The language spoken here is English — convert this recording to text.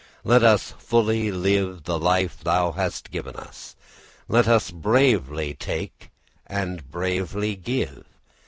Let us fully live the life thou hast given us, let us bravely take and bravely give.